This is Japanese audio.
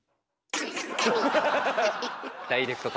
ダイレクト神。